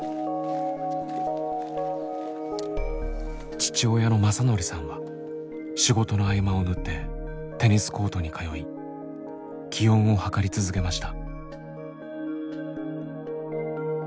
父親の正則さんは仕事の合間を縫ってテニスコートに通い気温を測り続けました。